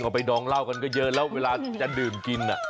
ก็ไปดองเหล้ากันก็เยอะแล้วเวลาจะดื่มกิน